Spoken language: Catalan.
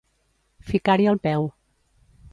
Ficar-hi el peu.